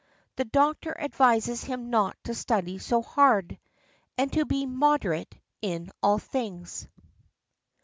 THE DOCTOR ADVISES HIM NOT TO STUDY SO HARD, AND TO BE MODERATE IN ALL THINGS.